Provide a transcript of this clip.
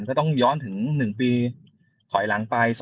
ก็ต้องย้อนถึง๑ปีถอยหลังไป